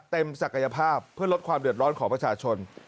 ศักยภาพเพื่อลดความเดือดร้อนของประชาชน